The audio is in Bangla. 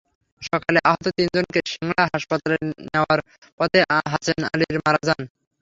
সকালে আহত তিনজনকে সিংড়া হাসপাতালে নেওয়ার পথে হাছেন আলীর মারা যান।